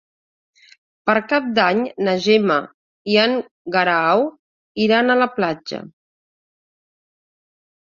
Per Cap d'Any na Gemma i en Guerau iran a la platja.